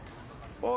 ああ。